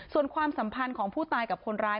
ส่วนความสัมพันธ์ของผู้ตายกับคนร้าย